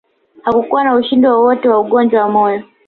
Hakukuwa na ushahidi wowote wa ugonjwa wa moyo